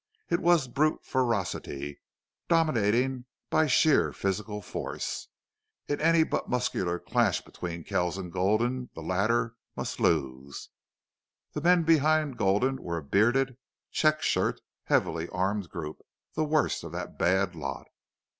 It was brute ferocity, dominating by sheer physical force. In any but muscular clash between Kells and Gulden the latter must lose. The men back of Gulden were a bearded, check shirted, heavily armed group, the worst of that bad lot.